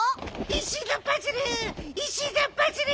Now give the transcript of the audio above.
石のパズル！